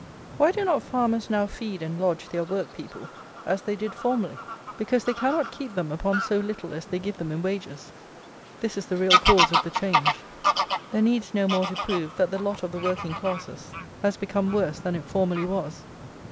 Why do not farmers now feed and lodge their work people, as they did formerly? Because they cannot keep them upon so little as they give them in wages. This is the real cause of the change. There needs no more to prove that the lot of the working classes has become worse than it formerly was.